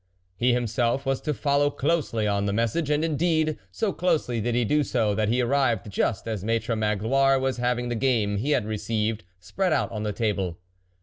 He, himself, was to fol low closely on the message ; and, indeed, so closely did he do so, that he arrived just as Maitre Magloire was having the game he had received spread out on a table.